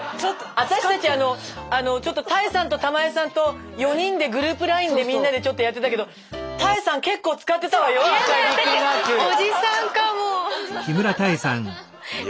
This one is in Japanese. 私たちちょっと多江さんと玉恵さんと４人でグループＬＩＮＥでみんなでちょっとやってたけど私たち的にはすごいうれしかったけど。